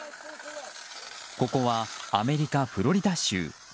ここはアメリカ・フロリダ州。